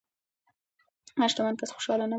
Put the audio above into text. هر شتمن کس خوشحال نه وي.